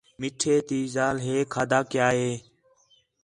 مٹھے تی ذال ہے کھادا کَیا ہِے